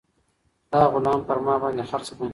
دا غلام پر ما باندې خرڅ کړه.